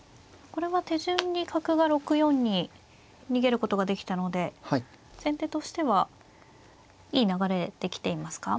これは手順に角が６四に逃げることができたので先手としてはいい流れできていますか。